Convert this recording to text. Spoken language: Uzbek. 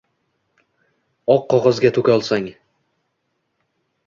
Oq qorozga to’kolsang.